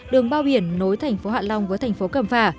đường bao biển nối thành phố hạ long với thành phố cẩm phả